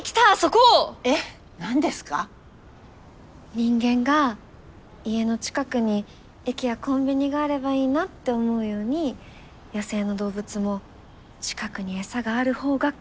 人間が家の近くに駅やコンビニがあればいいなって思うように野生の動物も近くに餌があるほうが快適なんです。